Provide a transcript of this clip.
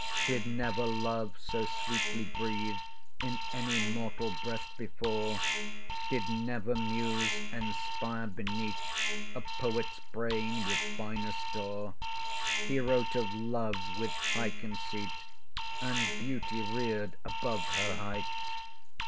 Did never Love so sweetly breathe In any mortal breast before: Did never Muse inspire beneath A Poet's brain with finer store. He wrote of Love with high conceit, And beauty rear'd above her height.